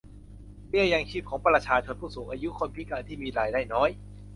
เบี้ยยังชีพของประชาชนผู้สูงอายุ คนพิการที่มีรายได้น้อย